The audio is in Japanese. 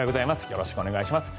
よろしくお願いします。